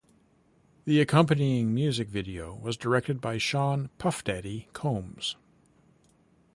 The accompanying music video was directed by Sean "Puff Daddy" Combs.